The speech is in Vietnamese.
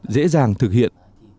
dễ dàng thực hiện